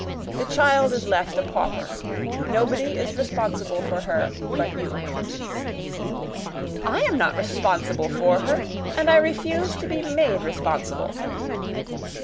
The child is left a pauper. Nobody is responsible for her but you." "I am not responsible for her, and I refuse to be made responsible!"